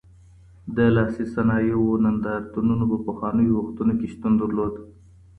د لاسي صنایعو نندارتونونه په پخوانیو وختونو کي شتون درلود؟